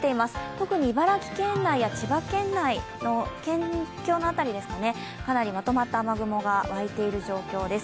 特に茨城県内や千葉県内の県境の辺り、かなりまとまった雨雲が沸いている状況です。